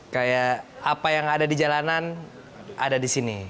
kayak apa yang ada di jalanan ada di sini